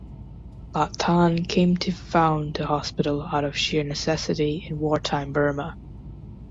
Ba Than came to found the hospital out of sheer necessity in wartime Burma.